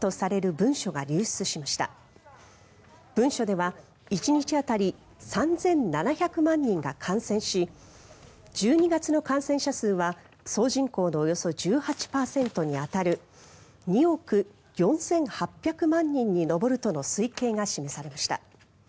文書では１日当たり３７００万人が感染し１２月の感染者数は総人口のおよそ１８％に当たる２億４８００万人に上るとの推計が示されました。